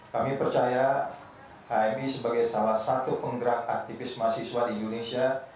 kami percaya hmi sebagai salah satu penggerak aktivis mahasiswa di indonesia